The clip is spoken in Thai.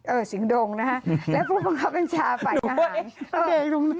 เออสิงห์ดงนะคะแล้วพวกเขาเป็นชาวฝันขาหาง